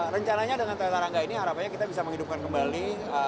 rencananya dengan toyota rangga ini harapannya kita bisa menghidupkan kembali